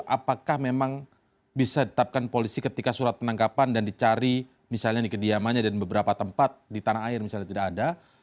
apakah memang bisa ditetapkan polisi ketika surat penangkapan dan dicari misalnya di kediamannya dan beberapa tempat di tanah air misalnya tidak ada